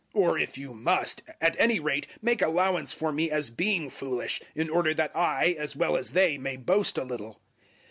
Or if you must, at any rate make allowance for me as being foolish, in order that I, as well as they, may boast a little.